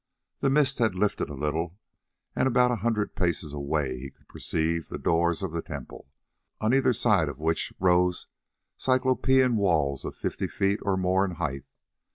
The mist had lifted a little, and about a hundred paces away he could perceive the doors of the temple, on either side of which rose Cyclopean walls fifty feet or more in height.